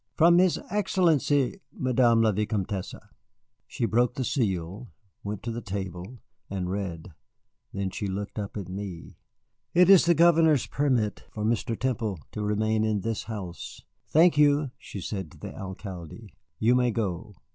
"From his Excellency, Madame la Vicomtesse." She broke the seal, went to the table, and read. Then she looked up at me. "It is the Governor's permit for Mr. Temple to remain in this house. Thank you," she said to the Alcalde; "you may go."